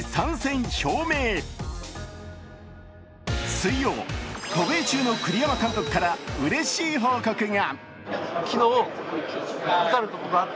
水曜、渡米中の栗山監督からうれしい報告が。